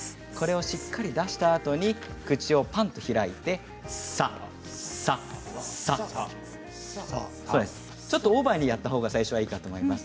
しっかり出したあとに口をパンと開いて「さ」ちょっとオーバーにやったほうが最初はいいかと思います。